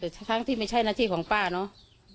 แต่ทั้งที่ไม่ใช่หน้าที่ของป้าเนอะ